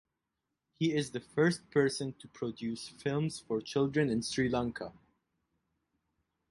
He is first person to produce films for children in Sri Lanka.